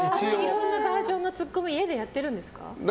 いろんなバージョンのツッコミ家でやってるんですか？